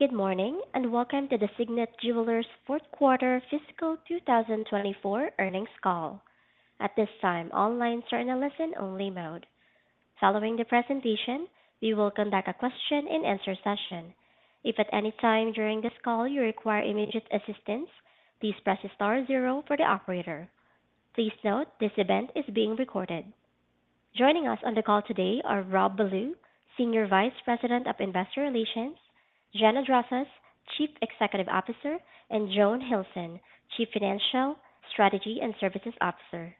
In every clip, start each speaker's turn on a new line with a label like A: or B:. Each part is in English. A: Good morning and welcome to the Signet Jewelers' 4th Quarter fiscal 2024 earnings call. At this time, listen-only mode. Following the presentation, we will conduct a question-and-answer session. If at any time during this call you require immediate assistance, please press star 0 for the operator. Please note, this event is being recorded. Joining us on the call today are Rob Ballew, Senior Vice President of Investor Relations; Gina Drosos, Chief Executive Officer; and Joan Hilson, Chief Financial, Strategy, and Services Officer.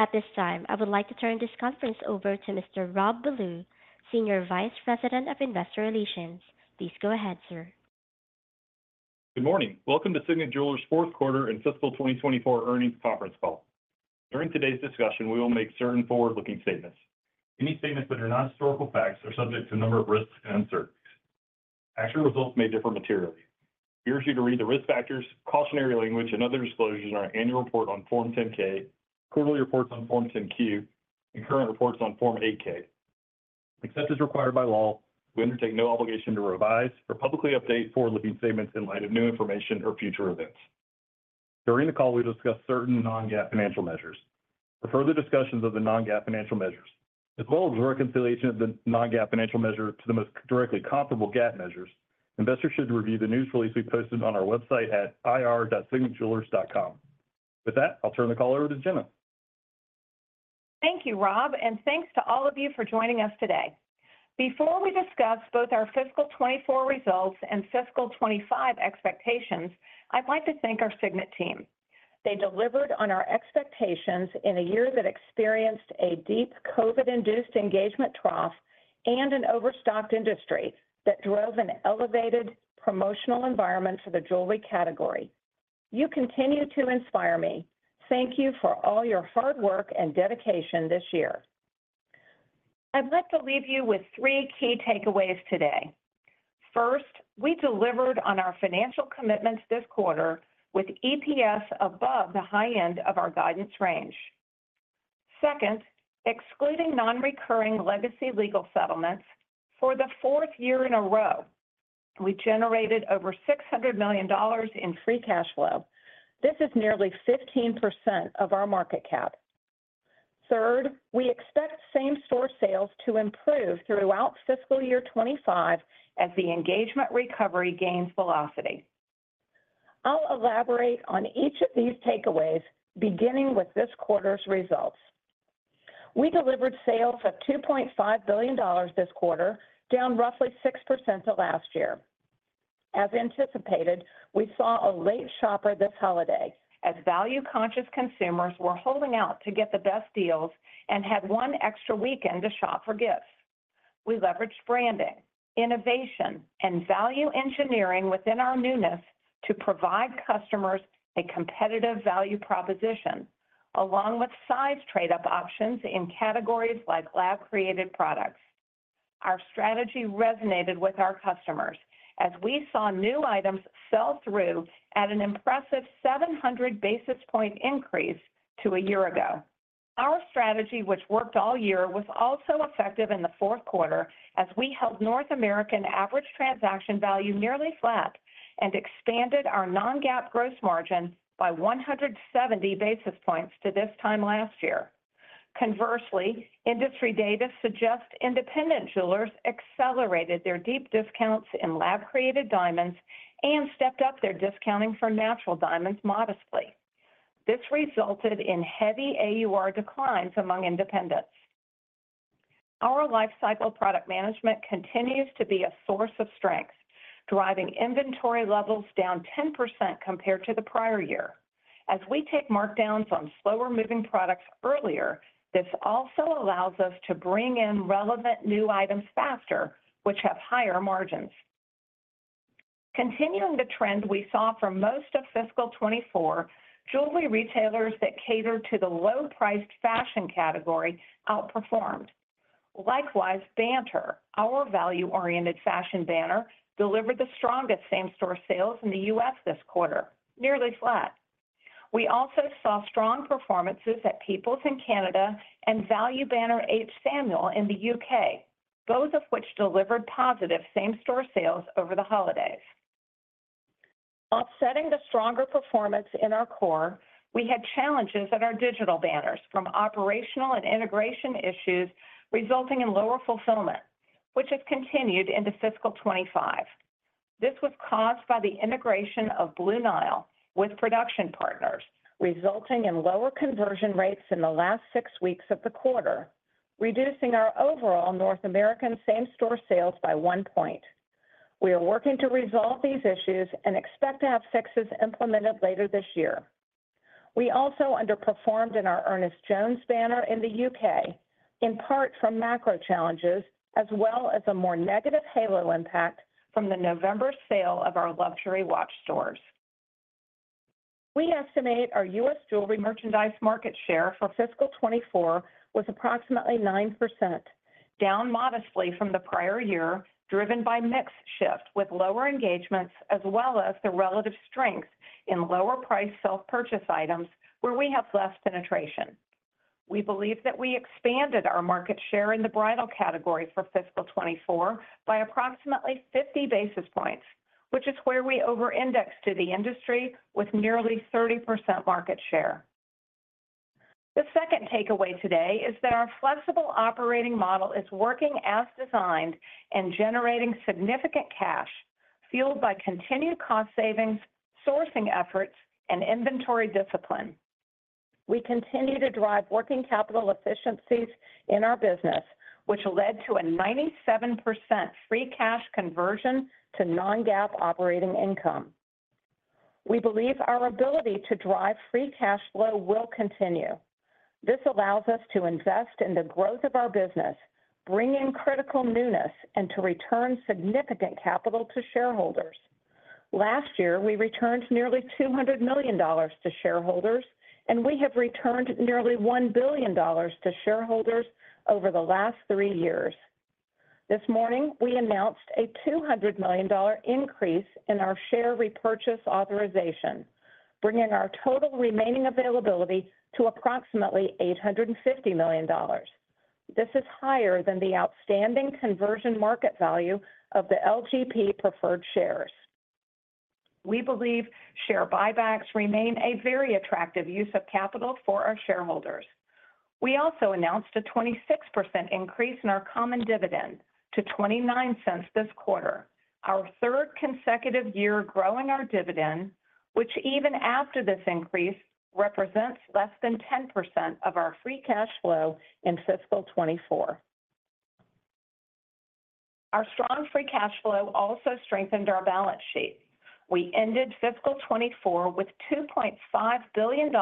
A: At this time, I would like to turn this conference over to Mr. Rob Ballew, Senior Vice President of Investor Relations. Please go ahead, sir.
B: Good morning. Welcome to Signet Jewelers' 4th Quarter and fiscal 2024 earnings conference call. During today's discussion, we will make certain forward-looking statements. Any statements that are not historical facts are subject to a number of risks and uncertainties. Actual results may differ materially. Please refer to the risk factors, cautionary language, and other disclosures in our annual report on Form 10-K, quarterly reports on Form 10-Q, and current reports on Form 8-K. Except as required by law, we undertake no obligation to revise or publicly update forward-looking statements in light of new information or future events. During the call, we'll discuss certain non-GAAP financial measures. For further discussions of the non-GAAP financial measures, as well as reconciliation of the non-GAAP financial measure to the most directly comparable GAAP measures, investors should review the news release we posted on our website at ir.signetjewelers.com. With that, I'll turn the call over to Gina.
C: Thank you, Rob, and thanks to all of you for joining us today. Before we discuss both our fiscal 2024 results and fiscal 2025 expectations, I'd like to thank our Signet team. They delivered on our expectations in a year that experienced a deep COVID-induced engagement trough and an overstocked industry that drove an elevated promotional environment for the jewelry category. You continue to inspire me. Thank you for all your hard work and dedication this year. I'd like to leave you with three key takeaways today. First, we delivered on our financial commitments this quarter with EPS above the high end of our guidance range. Second, excluding non-recurring legacy legal settlements, for the fourth year in a row, we generated over $600 million in free cash flow. This is nearly 15% of our market cap. Third, we expect same-store sales to improve throughout fiscal Year 2025 as the engagement recovery gains velocity. I'll elaborate on each of these takeaways, beginning with this quarter's results. We delivered sales of $2.5 billion this quarter, down roughly 6% to last year. As anticipated, we saw a late shopper this holiday. As value-conscious consumers were holding out to get the best deals and had one extra weekend to shop for gifts, we leveraged branding, innovation, and value engineering within our newness to provide customers a competitive value proposition, along with size trade-up options in categories like lab-created products. Our strategy resonated with our customers as we saw new items sell through at an impressive 700 basis point increase to a year ago. Our strategy, which worked all year, was also effective in the fourth quarter as we held North American average transaction value nearly flat and expanded our non-GAAP gross margin by 170 basis points to this time last year. Conversely, industry data suggests independent jewelers accelerated their deep discounts in lab-created diamonds and stepped up their discounting for natural diamonds modestly. This resulted in heavy AUR declines among independents. Our lifecycle product management continues to be a source of strength, driving inventory levels down 10% compared to the prior year. As we take markdowns on slower-moving products earlier, this also allows us to bring in relevant new items faster, which have higher margins. Continuing the trend we saw for most of fiscal 2024, jewelry retailers that catered to the low-priced fashion category outperformed. Likewise, Banter, our value-oriented fashion banner, delivered the strongest same-store sales in the U.S. this quarter, nearly flat. We also saw strong performances at Peoples in Canada and value banner H. Samuel in the U.K., both of which delivered positive same-store sales over the holidays. Offsetting the stronger performance in our core, we had challenges at our digital banners from operational and integration issues resulting in lower fulfillment, which has continued into fiscal 2025. This was caused by the integration of Blue Nile with production partners, resulting in lower conversion rates in the last six weeks of the quarter, reducing our overall North American same-store sales by one point. We are working to resolve these issues and expect to have fixes implemented later this year. We also underperformed in our Ernest Jones banner in the U.K., in part from macro challenges as well as a more negative halo impact from the November sale of our luxury watch stores. We estimate our U.S. jewelry merchandise market share for fiscal 2024 was approximately 9%, down modestly from the prior year, driven by mix shift with lower engagements as well as the relative strength in lower-priced self-purchase items where we have less penetration. We believe that we expanded our market share in the bridal category for fiscal 2024 by approximately 50 basis points, which is where we over-indexed to the industry with nearly 30% market share. The second takeaway today is that our flexible operating model is working as designed and generating significant cash fueled by continued cost savings, sourcing efforts, and inventory discipline. We continue to drive working capital efficiencies in our business, which led to a 97% free cash conversion to non-GAAP operating income. We believe our ability to drive free cash flow will continue. This allows us to invest in the growth of our business, bring in critical newness, and to return significant capital to shareholders. Last year, we returned nearly $200 million to shareholders, and we have returned nearly $1 billion to shareholders over the last three years. This morning, we announced a $200 million increase in our share repurchase authorization, bringing our total remaining availability to approximately $850 million. This is higher than the outstanding conversion market value of the LGP preferred shares. We believe share buybacks remain a very attractive use of capital for our shareholders. We also announced a 26% increase in our common dividend to $0.29 this quarter, our third consecutive year growing our dividend, which even after this increase represents less than 10% of our free cash flow in fiscal 2024. Our strong free cash flow also strengthened our balance sheet. We ended fiscal 2024 with $2.5 billion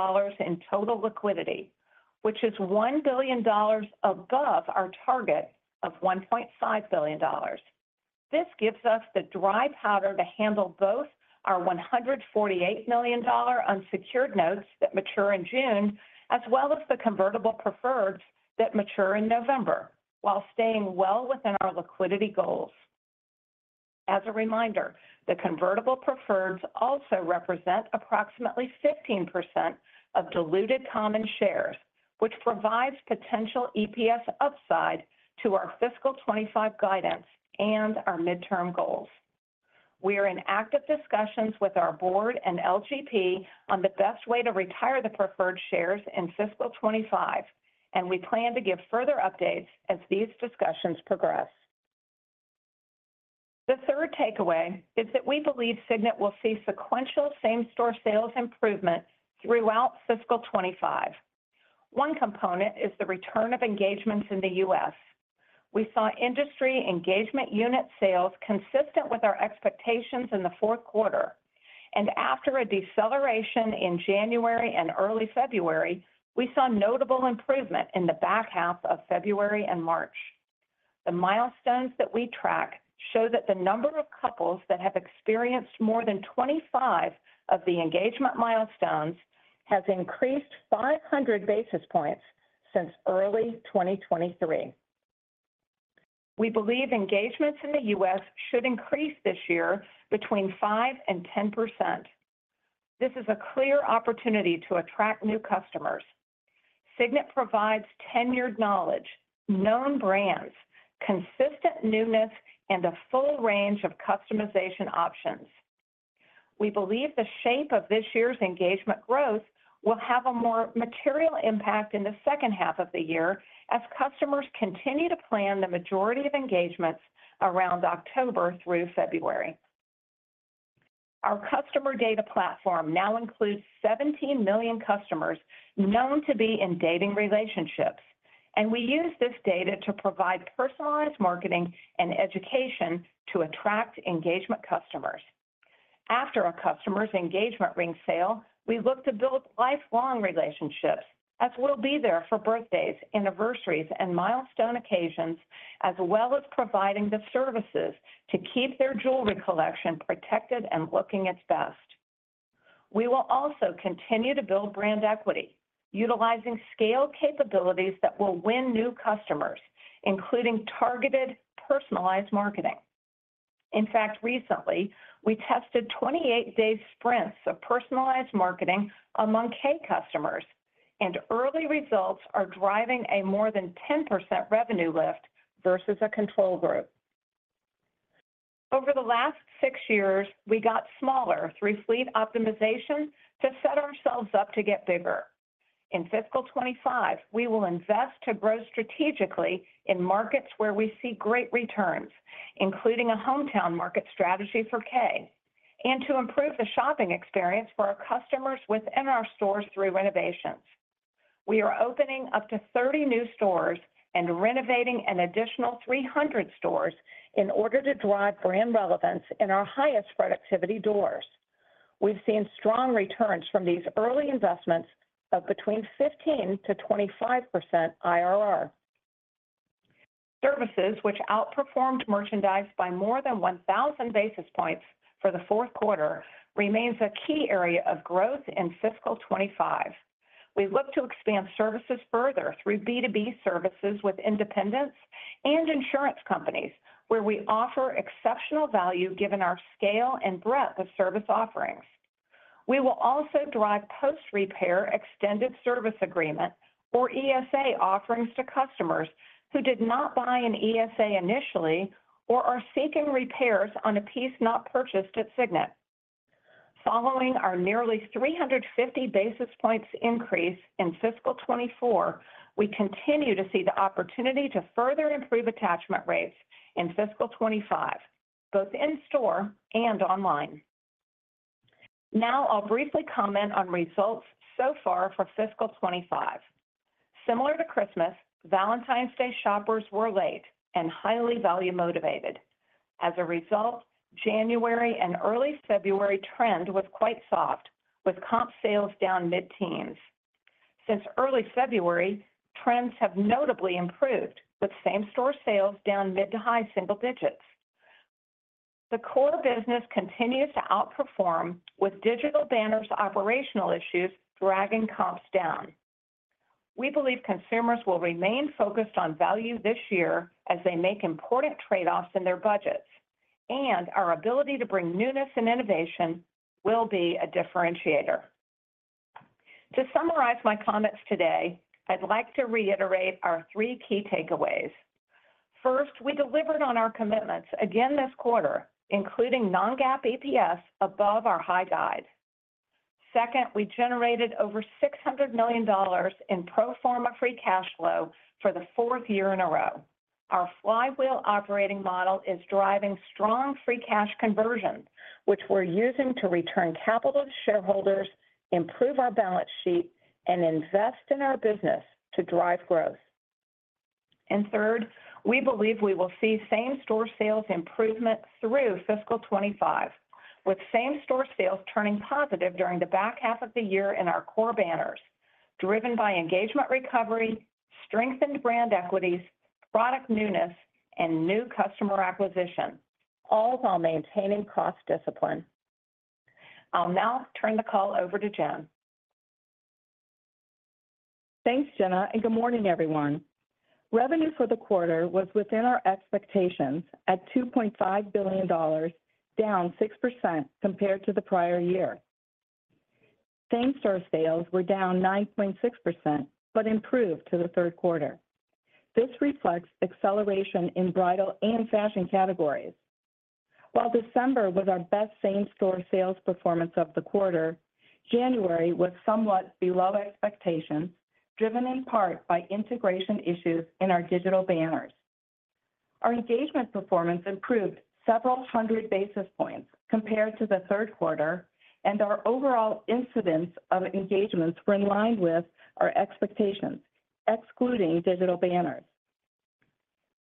C: in total liquidity, which is $1 billion above our target of $1.5 billion. This gives us the dry powder to handle both our $148 million unsecured notes that mature in June as well as the convertible preferreds that mature in November while staying well within our liquidity goals. As a reminder, the convertible preferreds also represent approximately 15% of diluted common shares, which provides potential EPS upside to our fiscal 2025 guidance and our midterm goals. We are in active discussions with our board and LGP on the best way to retire the preferred shares in fiscal 2025, and we plan to give further updates as these discussions progress. The third takeaway is that we believe Signet will see sequential same-store sales improvement throughout fiscal 2025. One component is the return of engagements in the U.S. We saw industry engagement unit sales consistent with our expectations in the fourth quarter, and after a deceleration in January and early February, we saw notable improvement in the back half of February and March. The milestones that we track show that the number of couples that have experienced more than 25 of the engagement milestones has increased 500 basis points since early 2023. We believe engagements in the U.S. should increase this year between 5% and 10%. This is a clear opportunity to attract new customers. Signet provides tenured knowledge, known brands, consistent newness, and a full range of customization options. We believe the shape of this year's engagement growth will have a more material impact in the second half of the year as customers continue to plan the majority of engagements around October through February. Our customer data platform now includes 17 million customers known to be in dating relationships, and we use this data to provide personalized marketing and education to attract engagement customers. After a customer's engagement ring sale, we look to build lifelong relationships as we'll be there for birthdays, anniversaries, and milestone occasions, as well as providing the services to keep their jewelry collection protected and looking its best. We will also continue to build brand equity utilizing scale capabilities that will win new customers, including targeted personalized marketing. In fact, recently, we tested 28-day sprints of personalized marketing among Kay customers, and early results are driving a more than 10% revenue lift versus a control group. Over the last six years, we got smaller through fleet optimization to set ourselves up to get bigger. In fiscal 2025, we will invest to grow strategically in markets where we see great returns, including a hometown market strategy for K, and to improve the shopping experience for our customers within our stores through renovations. We are opening up to 30 new stores and renovating an additional 300 stores in order to drive brand relevance in our highest productivity doors. We've seen strong returns from these early investments of between 15%-25% IRR. Services, which outperformed merchandise by more than 1,000 basis points for the fourth quarter, remain a key area of growth in fiscal 2025. We look to expand services further through B2B services with independents and insurance companies, where we offer exceptional value given our scale and breadth of service offerings. We will also drive post-repair extended service agreement, or ESA, offerings to customers who did not buy an ESA initially or are seeking repairs on a piece not purchased at Signet. Following our nearly 350 basis points increase in fiscal 2024, we continue to see the opportunity to further improve attachment rates in fiscal 2025, both in-store and online. Now I'll briefly comment on results so far for fiscal 2025. Similar to Christmas, Valentine's Day shoppers were late and highly value motivated. As a result, January and early February trend was quite soft, with comp sales down mid-teens. Since early February, trends have notably improved, with same-store sales down mid- to high-single digits. The core business continues to outperform, with digital banners' operational issues dragging comps down. We believe consumers will remain focused on value this year as they make important trade-offs in their budgets, and our ability to bring newness and innovation will be a differentiator. To summarize my comments today, I'd like to reiterate our three key takeaways. First, we delivered on our commitments again this quarter, including non-GAAP EPS above our high guide. Second, we generated over $600 million in pro forma free cash flow for the fourth year in a row. Our flywheel operating model is driving strong free cash conversions, which we're using to return capital to shareholders, improve our balance sheet, and invest in our business to drive growth. And third, we believe we will see same-store sales improvement through fiscal 2025, with same-store sales turning positive during the back half of the year in our core banners, driven by engagement recovery, strengthened brand equities, product newness, and new customer acquisition, all while maintaining cost discipline. I'll now turn the call over to Joan.
D: Thanks, Gina, and good morning, everyone. Revenue for the quarter was within our expectations at $2.5 billion, down 6% compared to the prior year. Same-store sales were down 9.6% but improved to the third quarter. This reflects acceleration in bridal and fashion categories. While December was our best same-store sales performance of the quarter, January was somewhat below expectations, driven in part by integration issues in our digital banners. Our engagement performance improved several hundred basis points compared to the third quarter, and our overall incidence of engagements were in line with our expectations, excluding digital banners.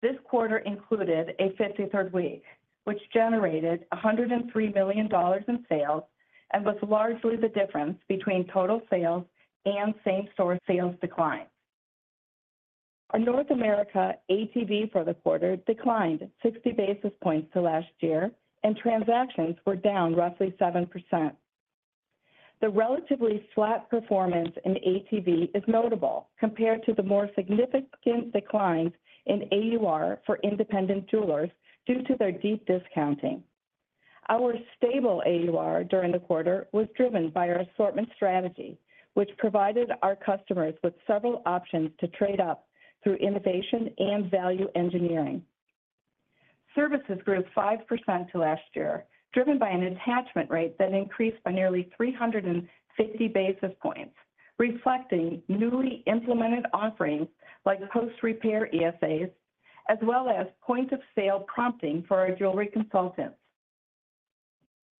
D: This quarter included a 53rd week, which generated $103 million in sales and was largely the difference between total sales and same-store sales decline. Our North America ATV for the quarter declined 60 basis points to last year, and transactions were down roughly 7%. The relatively flat performance in ATV is notable compared to the more significant declines in AUR for independent jewelers due to their deep discounting. Our stable AUR during the quarter was driven by our assortment strategy, which provided our customers with several options to trade up through innovation and value engineering. Services grew 5% to last year, driven by an attachment rate that increased by nearly 350 basis points, reflecting newly implemented offerings like post-repair ESAs as well as point-of-sale prompting for our jewelry consultants.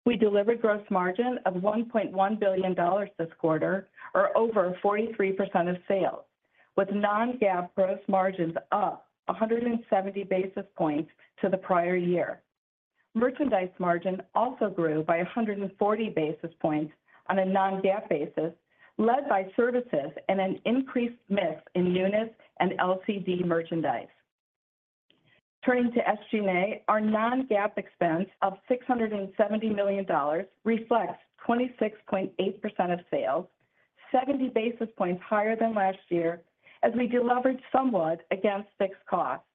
D: We delivered gross margin of $1.1 billion this quarter, or over 43% of sales, with non-GAAP gross margins up 170 basis points to the prior year. Merchandise margin also grew by 140 basis points on a non-GAAP basis, led by services and an increased mix in newness and LCD merchandise. Turning to SG&A, our non-GAAP expense of $670 million reflects 26.8% of sales, 70 basis points higher than last year, as we delivered somewhat against fixed costs.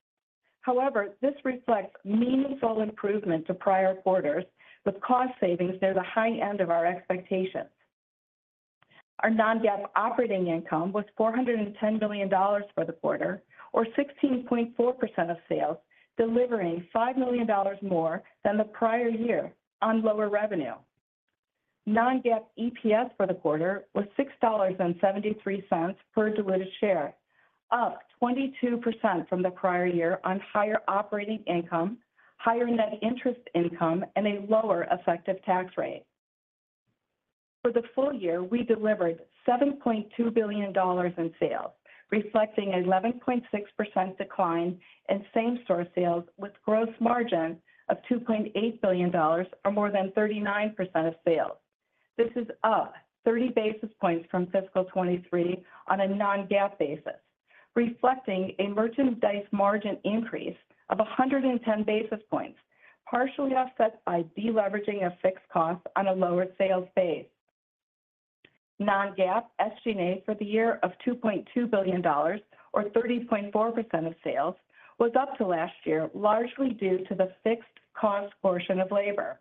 D: However, this reflects meaningful improvement to prior quarters, with cost savings near the high end of our expectations. Our non-GAAP operating income was $410 million for the quarter, or 16.4% of sales, delivering $5 million more than the prior year on lower revenue. Non-GAAP EPS for the quarter was $6.73 per diluted share, up 22% from the prior year on higher operating income, higher net interest income, and a lower effective tax rate. For the full year, we delivered $7.2 billion in sales, reflecting an 11.6% decline in same-store sales with gross margin of $2.8 billion, or more than 39% of sales. This is up 30 basis points from fiscal 2023 on a non-GAAP basis, reflecting a merchandise margin increase of 110 basis points, partially offset by deleveraging of fixed costs on a lower sales base. Non-GAAP SG&A for the year of $2.2 billion, or 30.4% of sales, was up to last year, largely due to the fixed cost portion of labor.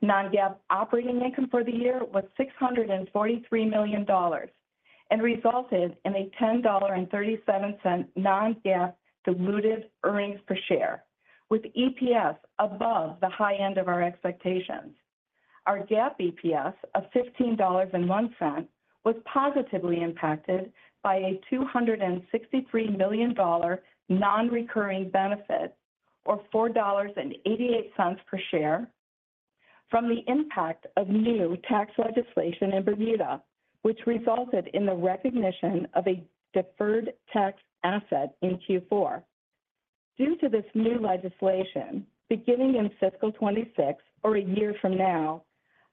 D: Non-GAAP operating income for the year was $643 million and resulted in a $10.37 non-GAAP diluted earnings per share, with EPS above the high end of our expectations. Our GAAP EPS of $15.01 was positively impacted by a $263 million non-recurring benefit, or $4.88 per share, from the impact of new tax legislation in Bermuda, which resulted in the recognition of a deferred tax asset in Q4. Due to this new legislation, beginning in fiscal 2026, or a year from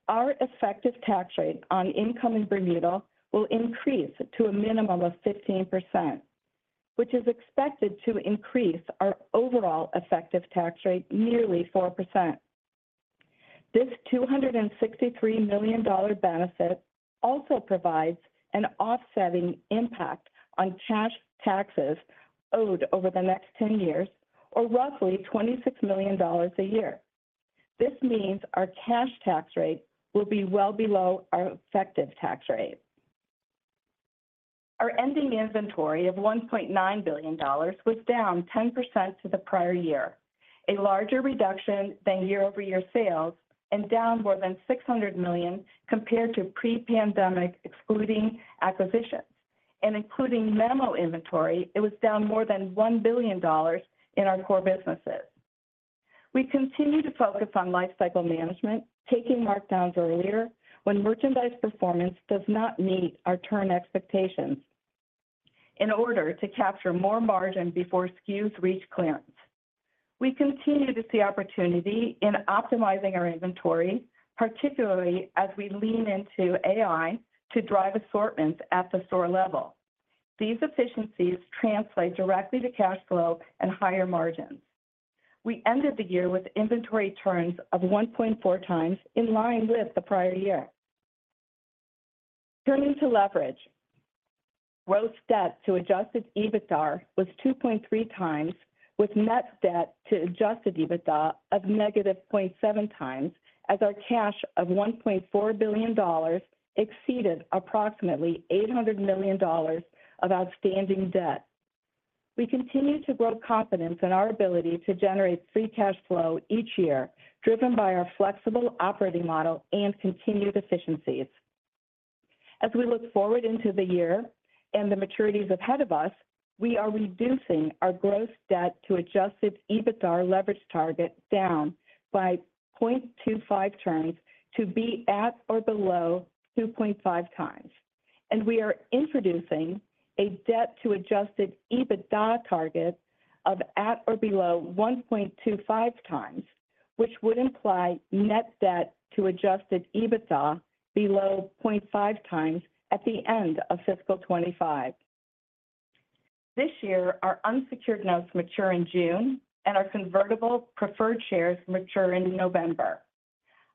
D: now, our effective tax rate on income in Bermuda will increase to a minimum of 15%, which is expected to increase our overall effective tax rate nearly 4%. This $263 million benefit also provides an offsetting impact on cash taxes owed over the next 10 years, or roughly $26 million a year. This means our cash tax rate will be well below our effective tax rate. Our ending inventory of $1.9 billion was down 10% to the prior year, a larger reduction than year-over-year sales, and down more than $600 million compared to pre-pandemic excluding acquisitions. And including memo inventory, it was down more than $1 billion in our core businesses. We continue to focus on lifecycle management, taking markdowns earlier when merchandise performance does not meet our turn expectations, in order to capture more margin before SKUs reach clearance. We continue to see opportunity in optimizing our inventory, particularly as we lean into AI to drive assortments at the store level. These efficiencies translate directly to cash flow and higher margins. We ended the year with inventory turns of 1.4x in line with the prior year. Turning to leverage, gross debt to Adjusted EBITDA was 2.3x, with net debt to Adjusted EBITDA of negative 0.7x, as our cash of $1.4 billion exceeded approximately $800 million of outstanding debt. We continue to grow confidence in our ability to generate free cash flow each year, driven by our flexible operating model and continued efficiencies. As we look forward into the year and the maturities ahead of us, we are reducing our gross debt to Adjusted EBITDA leverage target down by 0.25 turns to be at or below 2.5x. We are introducing a debt to Adjusted EBITDA target of at or below 1.25x, which would imply net debt to Adjusted EBITDA below 0.5x at the end of fiscal 2025. This year, our unsecured notes mature in June, and our convertible preferred shares mature in November.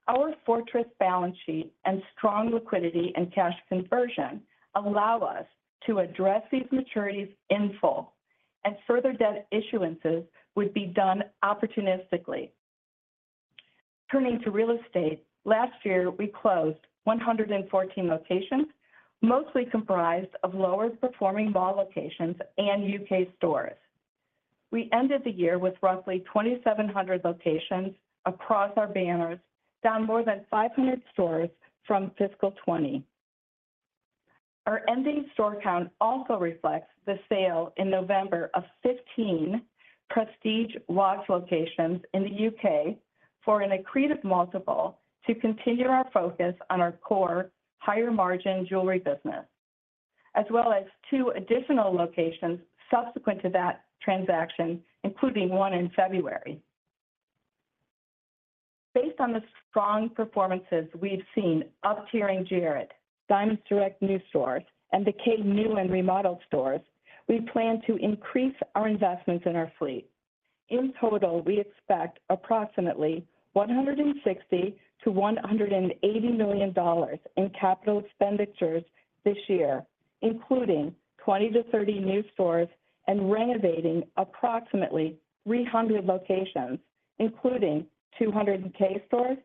D: Our fortress balance sheet and strong liquidity and cash conversion allow us to address these maturities in full, and further debt issuances would be done opportunistically. Turning to real estate, last year we closed 114 locations, mostly comprised of lower-performing mall locations and UK stores. We ended the year with roughly 2,700 locations across our banners, down more than 500 stores from fiscal 2020. Our ending store count also reflects the sale in November of 15 prestige watchlocations in the U.K. for an accretive multiple to continue our focus on our core higher margin jewelry business, as well as 2 additional locations subsequent to that transaction, including 1 in February. Based on the strong performances we've seen up tiering Jared, Diamonds Direct new stores, and Kay new and remodeled stores, we plan to increase our investments in our fleet. In total, we expect approximately $160-$180 million in capital expenditures this year, including 20-30 new stores and renovating approximately 300 locations, including 200 Kay stores,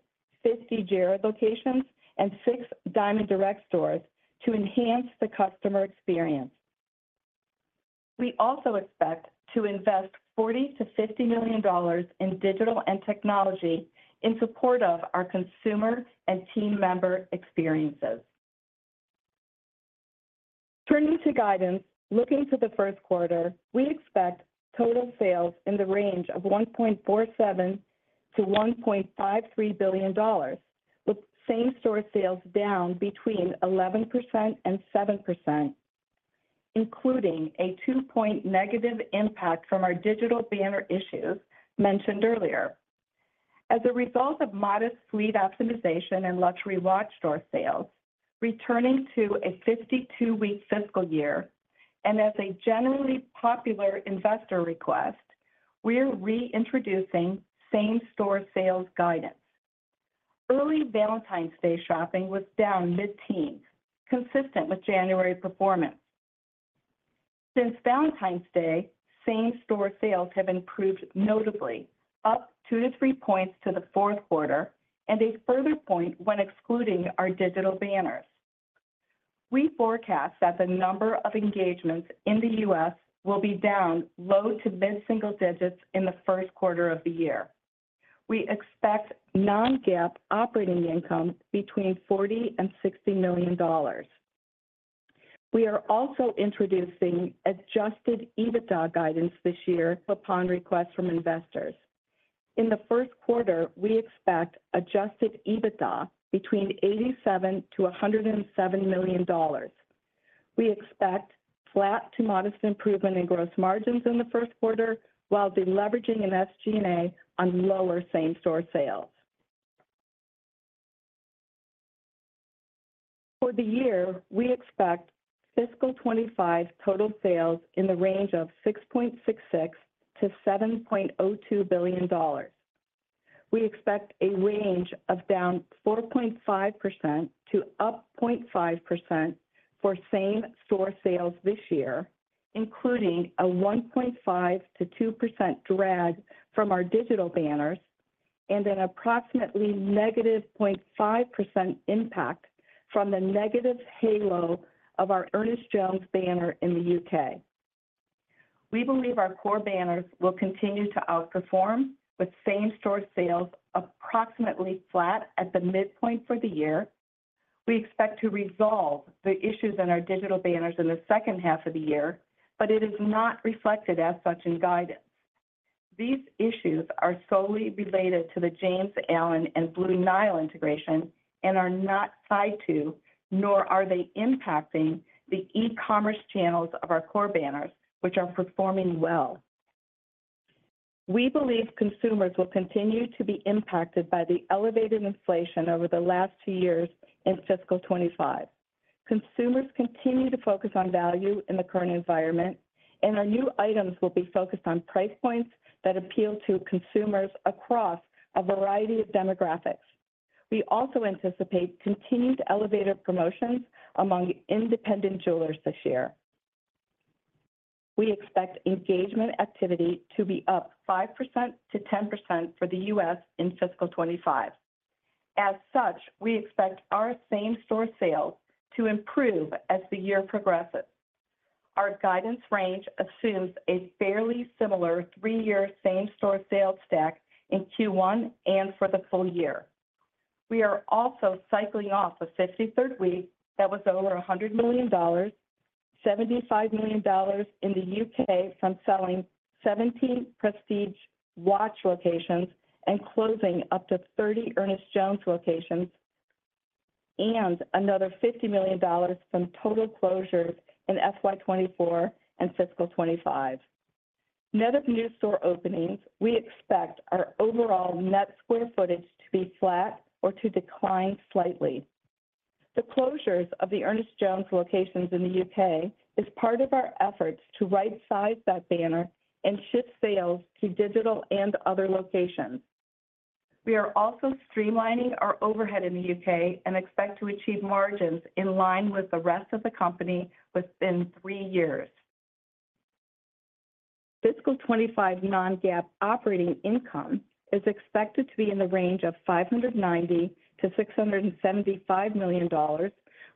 D: 50 Jared locations, and 6 Diamonds Direct stores to enhance the customer experience. We also expect to invest $40-$50 million in digital and technology in support of our consumer and team member experiences. Turning to guidance, looking to the first quarter, we expect total sales in the range of $1.47-$1.53 billion, with same-store sales down between 11%-7%, including a two-point negative impact from our digital banner issues mentioned earlier. As a result of modest fleet optimization and luxury watch store sales, returning to a 52-week fiscal year, and as a generally popular investor request, we are reintroducing same-store sales guidance. Early Valentine's Day shopping was down mid-teens, consistent with January performance. Since Valentine's Day, same-store sales have improved notably, up 2-3 points to the fourth quarter, and a further point when excluding our digital banners. We forecast that the number of engagements in the US will be down low- to mid-single digits in the first quarter of the year. We expect non-GAAP operating income between $40-$60 million. We are also introducing adjusted EBITDA guidance this year, upon request from investors. In the first quarter, we expect adjusted EBITDA between $87-$107 million. We expect flat to modest improvement in gross margins in the first quarter, while deleveraging in SG&A on lower same-store sales. For the year, we expect fiscal 2025 total sales in the range of $6.66-$7.02 billion. We expect a range of down 4.5% to up 0.5% for same-store sales this year, including a 1.5%-2% drag from our digital banners and an approximately -0.5% impact from the negative halo of our Ernest Jones banner in the U.K. We believe our core banners will continue to outperform, with same-store sales approximately flat at the midpoint for the year. We expect to resolve the issues in our digital banners in the second half of the year, but it is not reflected as such in guidance. These issues are solely related to the James Allen and Blue Nile integration and are not tied to, nor are they impacting, the e-commerce channels of our core banners, which are performing well. We believe consumers will continue to be impacted by the elevated inflation over the last two years in fiscal 2025. Consumers continue to focus on value in the current environment, and our new items will be focused on price points that appeal to consumers across a variety of demographics. We also anticipate continued elevator promotions among independent jewelers this year. We expect engagement activity to be up 5%-10% for the U.S. in fiscal 2025. As such, we expect our same-store sales to improve as the year progresses. Our guidance range assumes a fairly similar three-year same-store sales stack in Q1 and for the full year. We are also cycling off a 53rd week that was over $100 million, $75 million in the U.K. from selling 17 prestige watch locations and closing up to 30 Ernest Jones locations, and another $50 million from total closures in FY 2024 and fiscal 2025. Net new store openings, we expect our overall net square footage to be flat or to decline slightly. The closures of the Ernest Jones locations in the U.K. are part of our efforts to right-size that banner and shift sales to digital and other locations. We are also streamlining our overhead in the U.K. and expect to achieve margins in line with the rest of the company within three years. fiscal 2025 non-GAAP operating income is expected to be in the range of $590-$675 million,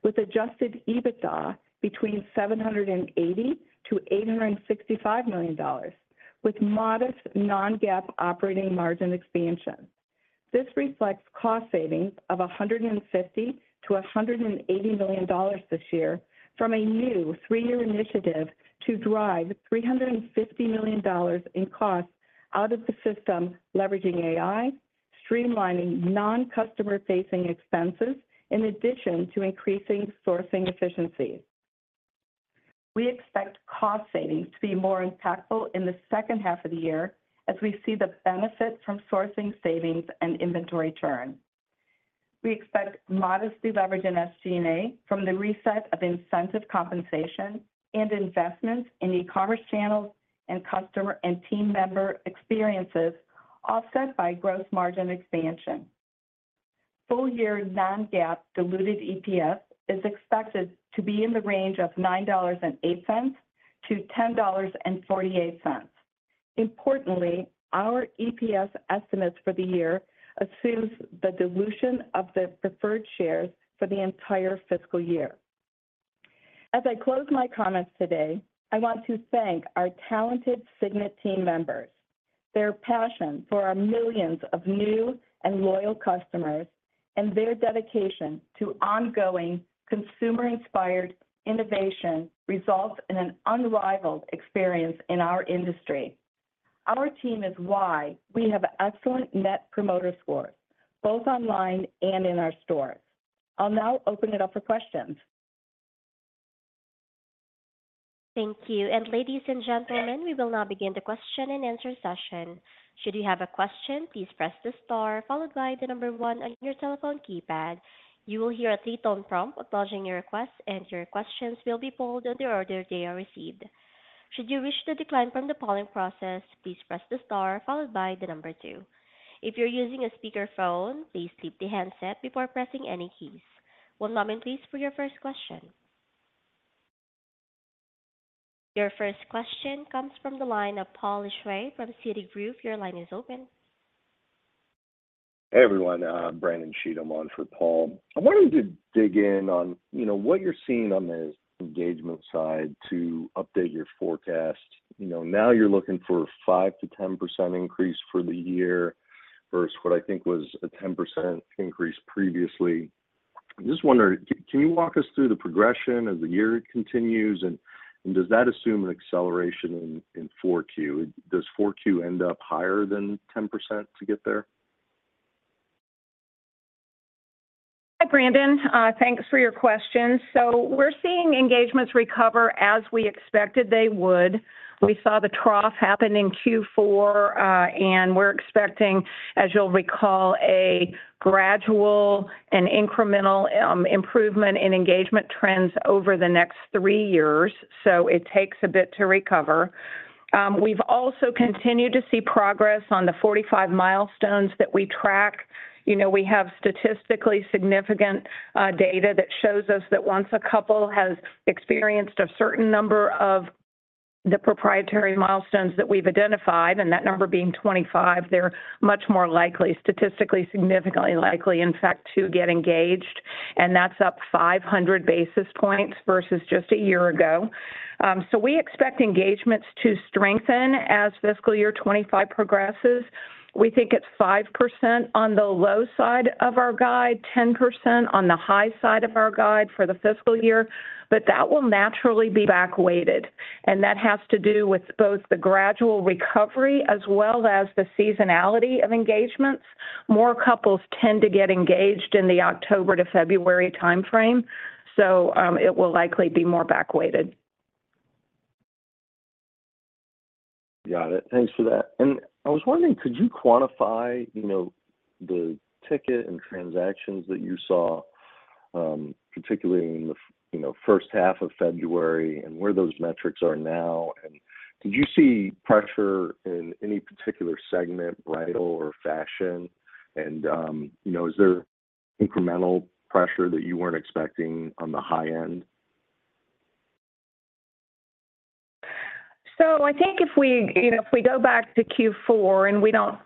D: with adjusted EBITDA between $780-$865 million, with modest non-GAAP operating margin expansion. This reflects cost savings of $150-$180 million this year from a new three-year initiative to drive $350 million in costs out of the system, leveraging AI, streamlining non-customer-facing expenses, in addition to increasing sourcing efficiencies. We expect cost savings to be more impactful in the second half of the year as we see the benefit from sourcing savings and inventory churn. We expect modest deleverage in SG&A from the reset of incentive compensation and investments in e-commerce channels and customer and team member experiences offset by gross margin expansion. Full-year non-GAAP diluted EPS is expected to be in the range of $9.08-$10.48. Importantly, our EPS estimates for the year assume the dilution of the preferred shares for the entire fiscal year. As I close my comments today, I want to thank our talented Signet team members. Their passion for our millions of new and loyal customers and their dedication to ongoing consumer-inspired innovation results in an unrivaled experience in our industry. Our team is why we have excellent Net Promoter Scores, both online and in our stores. I'll now open it up for questions.
A: Thank you. Ladies and gentlemen, we will now begin the question and answer session. Should you have a question, please press the star followed by the number one on your telephone keypad. You will hear a three-tone prompt acknowledging your request, and your questions will be polled in the order they are received. Should you wish to decline from the polling process, please press the star followed by the number two. If you're using a speakerphone, please lift the handset before pressing any keys. One moment, please, for your first question. Your first question comes from the line of Paul Lejuez from Citigroup. Your line is open.
E: Hey, everyone. Brandon Cheatham on for Paul. I wanted to dig in on what you're seeing on the engagement side to update your forecast. Now you're looking for a 5%-10% increase for the year versus what I think was a 10% increase previously. I just wonder, can you walk us through the progression as the year continues, and does that assume an acceleration in 4Q? Does 4Q end up higher than 10% to get there?
D: Hi, Brandon. Thanks for your questions. So we're seeing engagements recover as we expected they would. We saw the trough happen in Q4, and we're expecting, as you'll recall, a gradual and incremental improvement in engagement trends over the next three years. So it takes a bit to recover. We've also continued to see progress on the 45 milestones that we track. We have statistically significant data that shows us that once a couple has experienced a certain number of the proprietary milestones that we've identified, and that number being 25, they're much more likely, statistically significantly likely, in fact, to get engaged. And that's up 500 basis points versus just a year ago. So we expect engagements to strengthen as fiscal Year 2025 progresses. We think it's 5% on the low side of our guide, 10% on the high side of our guide for the fiscal year, but that will naturally be backweighted. That has to do with both the gradual recovery as well as the seasonality of engagements. More couples tend to get engaged in the October to February time frame. It will likely be more backweighted.
E: Got it. Thanks for that. I was wondering, could you quantify the ticket and transactions that you saw, particularly in the first half of February, and where those metrics are now? Did you see pressure in any particular segment, bridal or fashion? Is there incremental pressure that you weren't expecting on the high end?
D: So I think if we go back to Q4, and we don't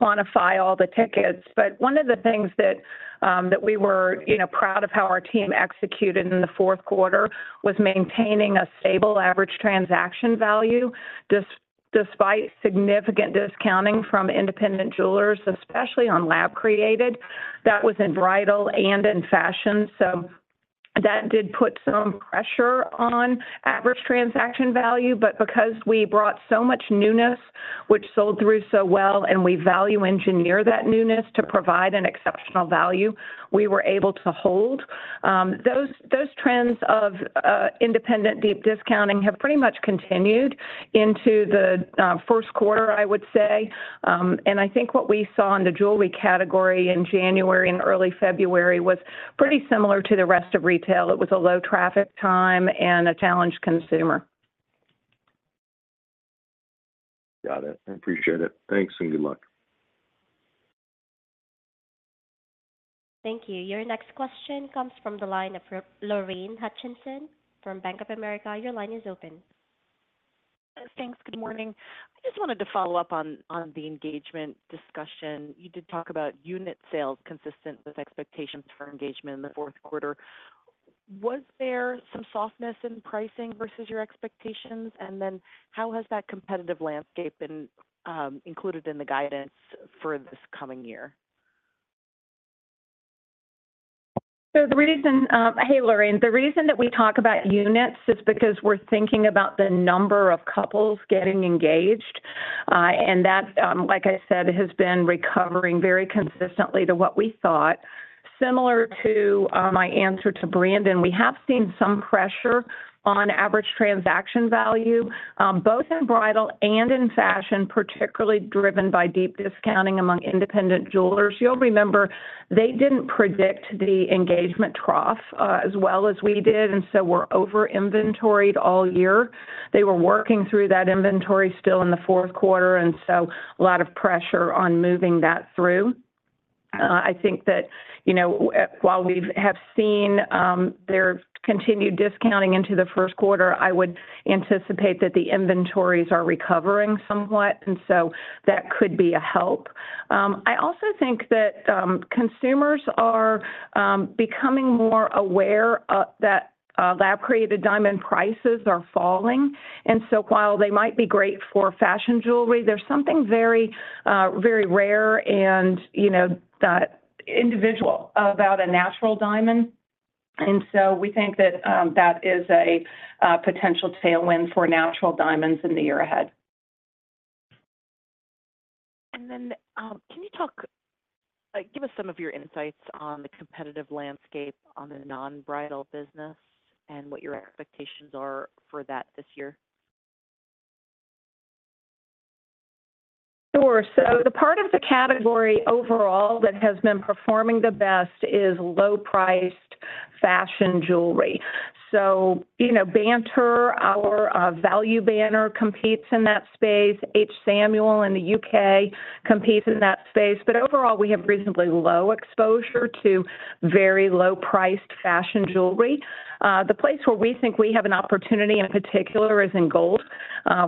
D: quantify all the tickets, but one of the things that we were proud of how our team executed in the fourth quarter was maintaining a stable average transaction value despite significant discounting from independent jewelers, especially on lab-created. That was in bridal and in fashion. So that did put some pressure on average transaction value. But because we brought so much newness, which sold through so well, and we value engineer that newness to provide an exceptional value, we were able to hold. Those trends of independent deep discounting have pretty much continued into the first quarter, I would say. And I think what we saw in the jewelry category in January and early February was pretty similar to the rest of retail. It was a low traffic time and a challenged consumer.
E: Got it. I appreciate it. Thanks and good luck.
A: Thank you. Your next question comes from the line of Lorraine Hutchinson from Bank of America. Your line is open.
F: Thanks. Good morning. I just wanted to follow up on the engagement discussion. You did talk about unit sales consistent with expectations for engagement in the fourth quarter. Was there some softness in pricing versus your expectations? And then how has that competitive landscape included in the guidance for this coming year?
D: So the reason, hey, Lorraine. The reason that we talk about units is because we're thinking about the number of couples getting engaged. And that, like I said, has been recovering very consistently to what we thought. Similar to my answer to Brandon, we have seen some pressure on average transaction value, both in bridal and in fashion, particularly driven by deep discounting among independent jewelers. You'll remember they didn't predict the engagement trough as well as we did, and so were over-inventoried all year. They were working through that inventory still in the fourth quarter, and so a lot of pressure on moving that through. I think that while we have seen their continued discounting into the first quarter, I would anticipate that the inventories are recovering somewhat, and so that could be a help. I also think that consumers are becoming more aware that lab-created diamond prices are falling. And so while they might be great for fashion jewelry, there's something very, very rare and so individual about a natural diamond. And so we think that that is a potential tailwind for natural diamonds in the year ahead.
F: And then, can you talk give us some of your insights on the competitive landscape on the non-bridal business and what your expectations are for that this year?
D: Sure. So the part of the category overall that has been performing the best is low-priced fashion jewelry. So Banter, our value banner, competes in that space. H. Samuel in the U.K. competes in that space. But overall, we have reasonably low exposure to very low-priced fashion jewelry. The place where we think we have an opportunity in particular is in gold,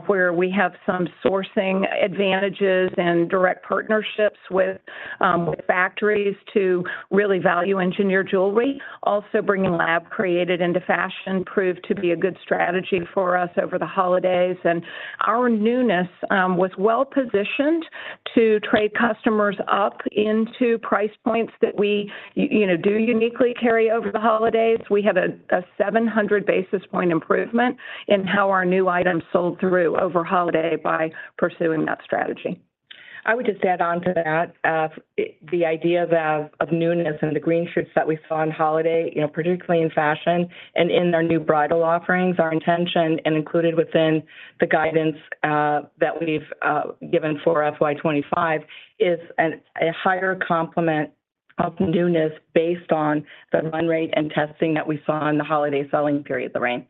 D: where we have some sourcing advantages and direct partnerships with factories to really value engineer jewelry. Also, bringing lab-created into fashion proved to be a good strategy for us over the holidays. And our newness was well-positioned to trade customers up into price points that we do uniquely carry over the holidays. We had a 700 basis point improvement in how our new items sold through over holiday by pursuing that strategy.
C: I would just add on to that. The idea of newness and the green shoots that we saw on holiday, particularly in fashion and in our new bridal offerings, our intention and included within the guidance that we've given for FY25 is a higher complement of newness based on the run rate and testing that we saw in the holiday selling period, Lorraine.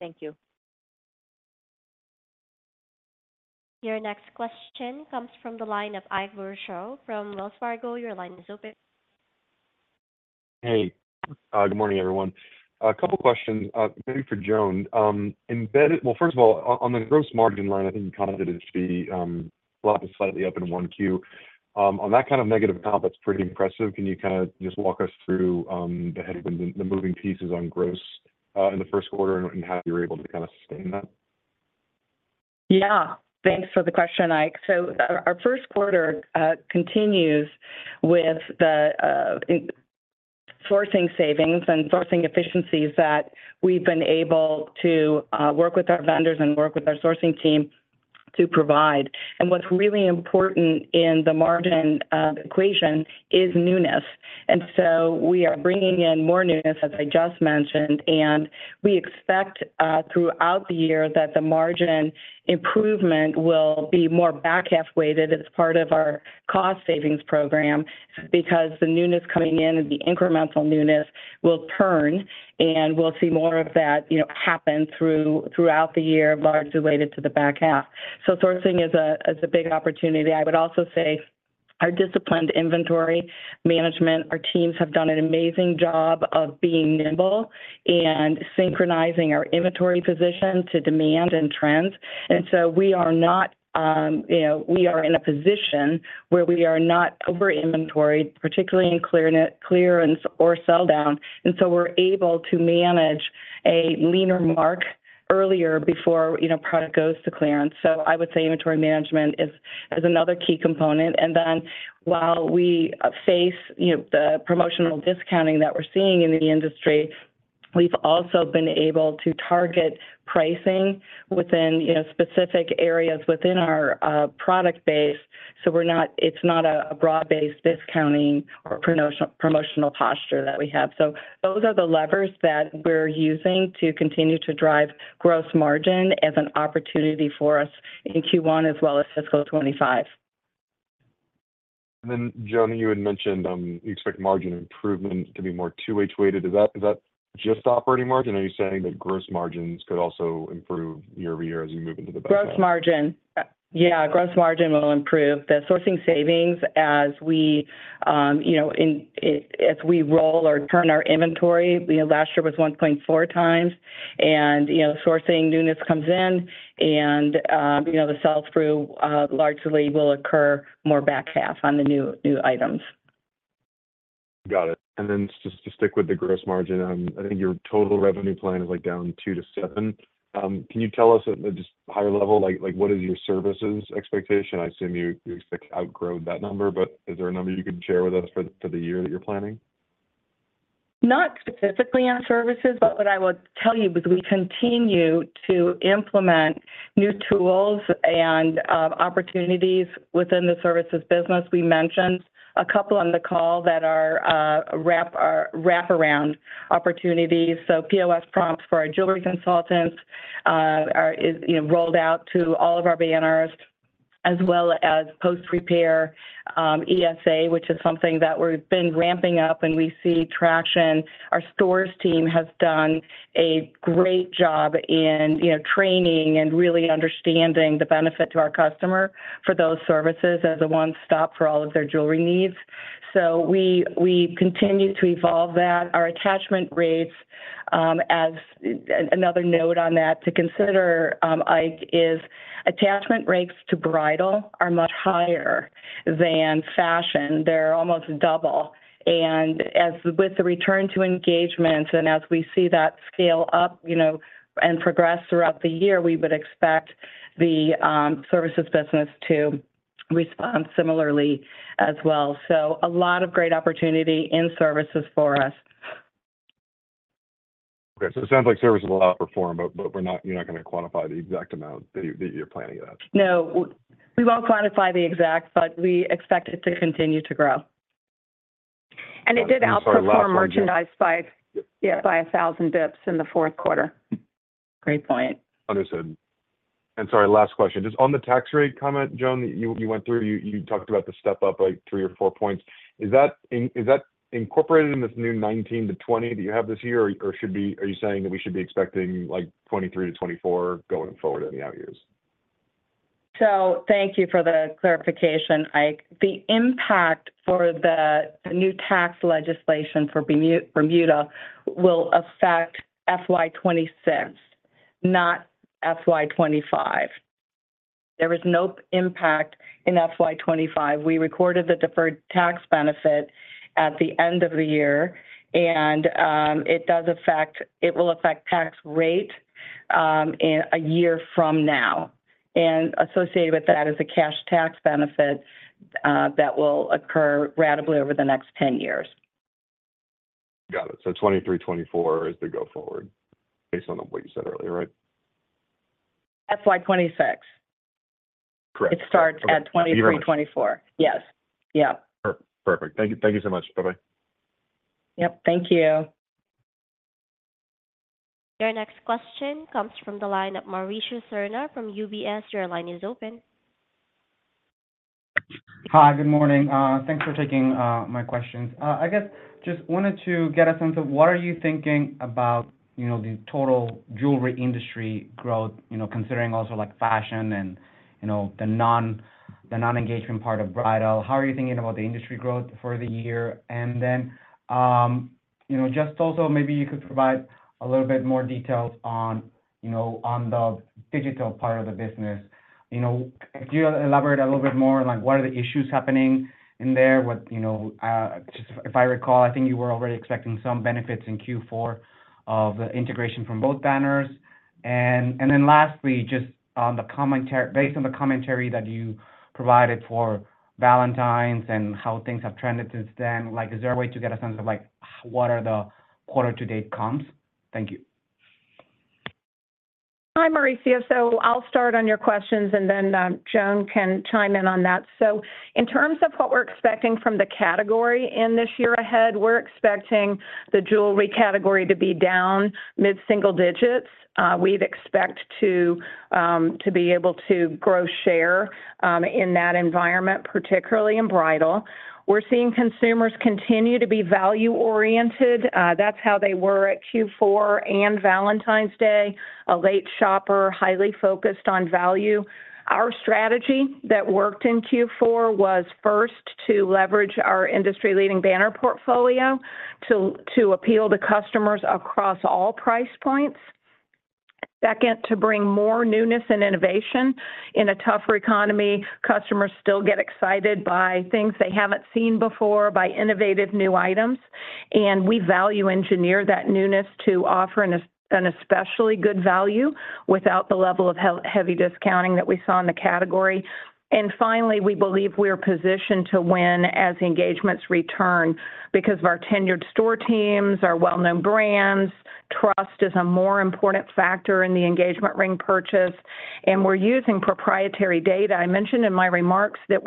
A: Thank you. Your next question comes from the line of Ike Boruchow from Wells Fargo. Your line is open.
G: Hey. Good morning, everyone. A couple of questions, maybe for Joan. Well, first of all, on the gross margin line, I think you commented it should be a lot to slightly up in 1Q. On that kind of negative comp, that's pretty impressive. Can you kind of just walk us through the headwinds, the moving pieces on gross in the first quarter, and how you're able to kind of sustain that?
D: Yeah. Thanks for the question, Ike. So our first quarter continues with the sourcing savings and sourcing efficiencies that we've been able to work with our vendors and work with our sourcing team to provide. And what's really important in the margin equation is newness. And so we are bringing in more newness, as I just mentioned, and we expect throughout the year that the margin improvement will be more back half weighted as part of our cost savings program because the newness coming in and the incremental newness will turn, and we'll see more of that happen throughout the year, largely related to the back half. So sourcing is a big opportunity. I would also say our disciplined inventory management, our teams have done an amazing job of being nimble and synchronizing our inventory position to demand and trends. We are in a position where we are not over-inventoried, particularly in clearance or sell down. We're able to manage a leaner markdown earlier before product goes to clearance. Inventory management is another key component. While we face the promotional discounting that we're seeing in the industry, we've also been able to target pricing within specific areas within our product base. It's not a broad-based discounting or promotional posture that we have. Those are the levers that we're using to continue to drive gross margin as an opportunity for us in Q1 as well as fiscal 2025.
G: And then Joan, you had mentioned you expect margin improvement to be more two-way weighted. Is that just operating margin? Are you saying that gross margins could also improve year-over-year as you move into the back half?
D: Gross margin. Yeah, gross margin will improve. The sourcing savings as we roll or turn our inventory last year was 1.4x. And sourcing newness comes in, and the sales through largely will occur more back half on the new items.
G: Got it. Then just to stick with the gross margin, I think your total revenue plan is down 2-7. Can you tell us at just a higher level, what is your services expectation? I assume you expect to outgrow that number, but is there a number you could share with us for the year that you're planning?
D: Not specifically on services, but what I would tell you is we continue to implement new tools and opportunities within the services business. We mentioned a couple on the call that are wrap-around opportunities. So POS prompts for our jewelry consultants are rolled out to all of our banners, as well as post-repair ESA, which is something that we've been ramping up and we see traction. Our stores team has done a great job in training and really understanding the benefit to our customer for those services as a one-stop for all of their jewelry needs. So we continue to evolve that. Our attachment rates, as another note on that to consider, Ike, is attachment rates to bridal are much higher than fashion. They're almost double. With the return to engagements and as we see that scale up and progress throughout the year, we would expect the services business to respond similarly as well. A lot of great opportunity in services for us.
G: Okay. It sounds like services will outperform, but you're not going to quantify the exact amount that you're planning it at.
D: No. We won't quantify the exact, but we expect it to continue to grow. It did outperform merchandise by 1,000 basis points in the fourth quarter. Great point.
G: Understood. Sorry, last question. Just on the tax rate comment, Joan, that you went through, you talked about the step up by 3 or 4 points. Is that incorporated in this new 19%-20% that you have this year, or are you saying that we should be expecting 23%-24% going forward in the out years?
D: Thank you for the clarification, Ike. The impact for the new tax legislation for Bermuda will affect FY26, not FY25. There is no impact in FY25. We recorded the deferred tax benefit at the end of the year, and it will affect tax rate a year from now. And associated with that is a cash tax benefit that will occur gradually over the next 10 years.
G: Got it. So 2023, 2024 is the go-forward based on what you said earlier, right?
D: FY26. Correct. It starts at 23, 24. Yes. Yeah.
G: Perfect. Thank you so much. Bye-bye.
D: Yep. Thank you.
A: Your next question comes from the line of Mauricio Serna from UBS. Your line is open.
H: Hi. Good morning. Thanks for taking my questions. I guess just wanted to get a sense of what are you thinking about the total jewelry industry growth, considering also fashion and the non-engagement part of bridal? How are you thinking about the industry growth for the year? And then just also, maybe you could provide a little bit more details on the digital part of the business. Could you elaborate a little bit more on what are the issues happening in there? Just if I recall, I think you were already expecting some benefits in Q4 of the integration from both banners. And then lastly, just based on the commentary that you provided for Valentine's and how things have trended since then, is there a way to get a sense of what are the quarter-to-date comps? Thank you.
C: Hi, Mauricio. So I'll start on your questions, and then Joan can chime in on that. So in terms of what we're expecting from the category in this year ahead, we're expecting the jewelry category to be down mid-single digits. We'd expect to be able to grow share in that environment, particularly in bridal. We're seeing consumers continue to be value-oriented. That's how they were at Q4 and Valentine's Day. A late shopper, highly focused on value. Our strategy that worked in Q4 was first to leverage our industry-leading banner portfolio to appeal to customers across all price points. Second, to bring more newness and innovation. In a tougher economy, customers still get excited by things they haven't seen before, by innovative new items. And we value engineer that newness to offer an especially good value without the level of heavy discounting that we saw in the category. Finally, we believe we're positioned to win as engagements return because of our tenured store teams, our well-known brands. Trust is a more important factor in the engagement ring purchase. We're using proprietary data. I mentioned in my remarks that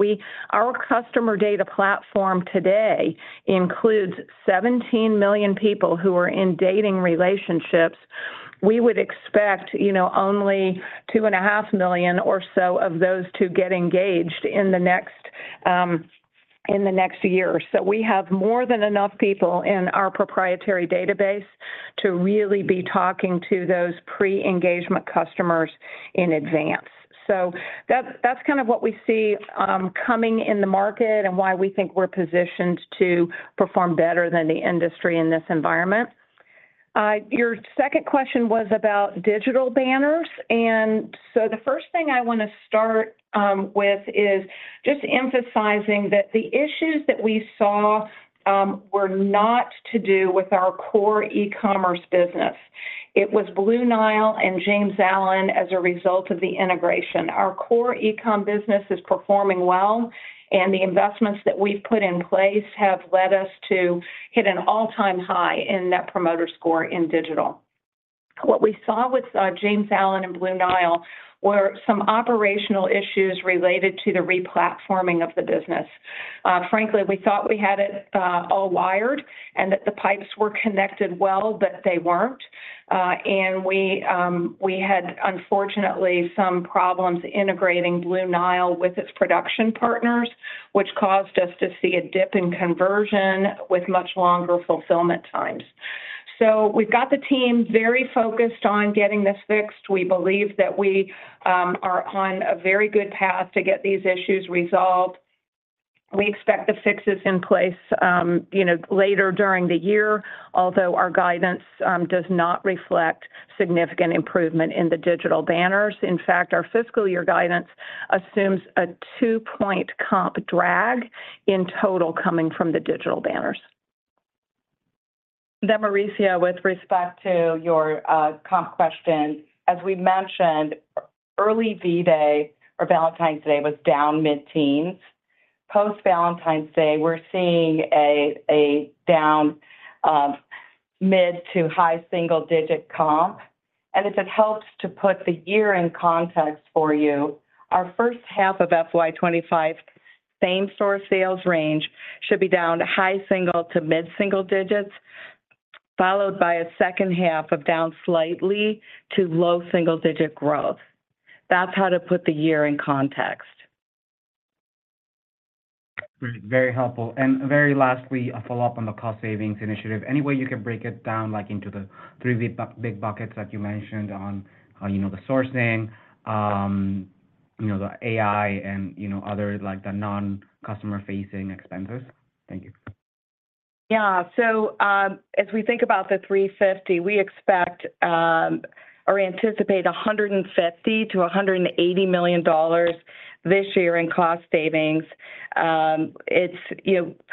C: our customer data platform today includes 17 million people who are in dating relationships. We would expect only 2.5 million or so of those to get engaged in the next year. We have more than enough people in our proprietary database to really be talking to those pre-engagement customers in advance. That's kind of what we see coming in the market and why we think we're positioned to perform better than the industry in this environment. Your second question was about digital banners. The first thing I want to start with is just emphasizing that the issues that we saw were not to do with our core e-commerce business. It was Blue Nile and James Allen as a result of the integration. Our core e-com business is performing well, and the investments that we've put in place have led us to hit an all-time high in Net Promoter Score in digital. What we saw with James Allen and Blue Nile were some operational issues related to the replatforming of the business. Frankly, we thought we had it all wired and that the pipes were connected well, but they weren't. And we had, unfortunately, some problems integrating Blue Nile with its production partners, which caused us to see a dip in conversion with much longer fulfillment times. So we've got the team very focused on getting this fixed. We believe that we are on a very good path to get these issues resolved. We expect the fixes in place later during the year, although our guidance does not reflect significant improvement in the digital banners. In fact, our fiscal year guidance assumes a 2-point comp drag in total coming from the digital banners.
D: Then, Mauricio, with respect to your comp question, as we mentioned, early V-Day or Valentine's Day was down mid-teens. Post-Valentine's Day, we're seeing a down mid- to high single-digit comp. And if it helps to put the year in context for you, our first half of FY25, same-store sales range, should be down high single- to mid-single digits, followed by a second half of down slightly to low single-digit growth. That's how to put the year in context.
H: Great. Very helpful. Very lastly, a follow-up on the cost savings initiative. Any way you can break it down into the three big buckets that you mentioned on the sourcing, the AI, and other non-customer-facing expenses? Thank you.
D: Yeah. So as we think about the 350, we expect or anticipate $150 million-$180 million this year in cost savings.